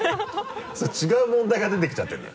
それ違う問題が出てきちゃってるのよ。